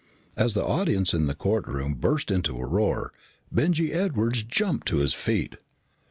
As the audience in the courtroom burst into a roar, Benjy Edwards jumped to his feet.